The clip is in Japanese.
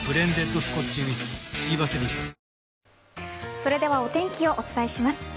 それではお天気をお伝えします。